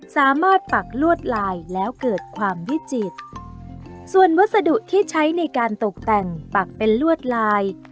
ปักลวดลายแล้วเกิดความวิจิตรส่วนวัสดุที่ใช้ในการตกแต่งปักเป็นลวดลาย